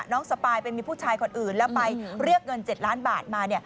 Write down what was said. สปายไปมีผู้ชายคนอื่นแล้วไปเรียกเงิน๗ล้านบาทมา